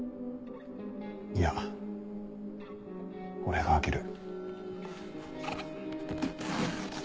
いや俺が開ける。